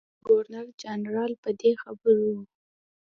ګورنر جنرال په دې خبر وو.